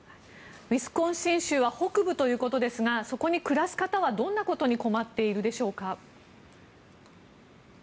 ウィスコンシン州は北部ということですがそこに暮らす方はどんなことに困っているでしょうか。